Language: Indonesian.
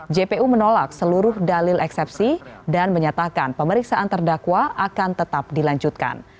jpu menolak seluruh dalil eksepsi dan menyatakan pemeriksaan terdakwa akan tetap dilanjutkan